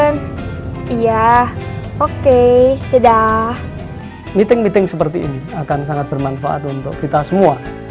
iya oke meeting meeting seperti ini akan sangat bermanfaat untuk kita semua